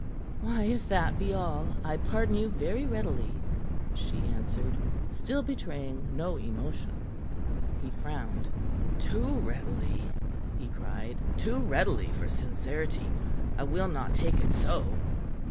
"Why, if that be all, I pardon you very readily," she answered, still betraying no emotion. He frowned. "Too readily!" he cried. "Too readily for sincerity. I will not take it so."